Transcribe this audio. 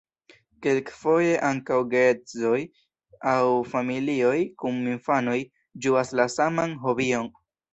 Kelkfoje ankaŭ geedzoj aŭ familioj kun infanoj ĝuas la saman hobion.